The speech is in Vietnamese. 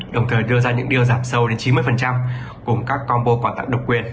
đồng thời đưa ra những điều giảm sâu đến chín mươi cùng các combo quà tặng độc quyền